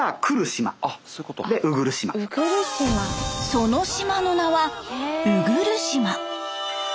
その島の名は鵜来島。